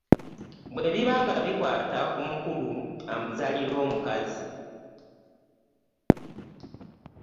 Bwe biba nga bikwata ku mukulu amuzaalira omukazi.